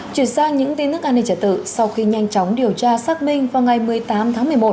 chuyển sang những tin tức an ninh trả tự sau khi nhanh chóng điều tra xác minh vào ngày một mươi tám tháng một mươi một